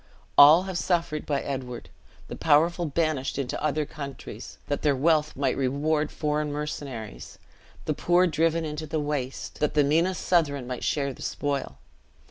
All have suffered by Edward; the powerful banished into other countries, that their wealth might reward foreign mercenaries; the poor driven into the waste, that the meanest Southron might share the spoil!